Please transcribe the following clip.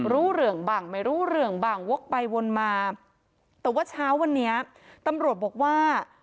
รู้เรื่องบ้างไม่รู้เรื่องบ้างวกไปวนมาแต่ว่าเช้าวันนี้ตำรวจบอกว่า